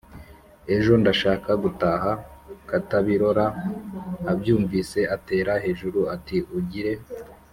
ejo ndashaka gutaha.” Katabirora abyumvise atera hejuru ati: “Ugire